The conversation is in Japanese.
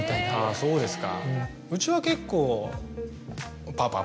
そうなんですか。